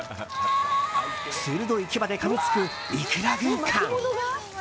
鋭い牙でかみつくイクラ軍艦。